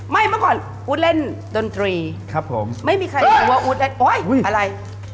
ไม่เมื่อก่อนอู๊ดเล่นดนตรีไม่มีใครที่ชัยว่าอู๊ดแล้วอุ๊ยอะไร